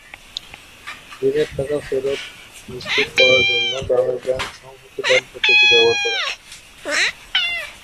ঋণের টাকা ফেরত নিশ্চিত করার জন্য গ্রামীণ ব্যাংক "সংহতি দল" পদ্ধতি ব্যবহার করে।